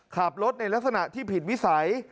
ขับรถในลักษณะที่ผิดวิสัย